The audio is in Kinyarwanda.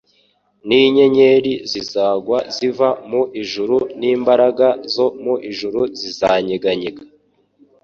n'inyenyeri zizagwa ziva mu ijuru n'imbaraga zo mu ijuru zizanyeganyega.